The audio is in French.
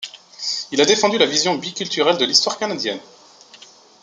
Il a défendu la vision biculturelle de l'histoire canadienne.